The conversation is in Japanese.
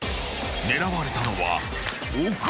［狙われたのは奥山］